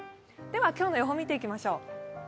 今日の予報を見ていきましょう。